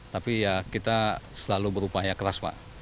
tapi ya kita selalu berupaya keras pak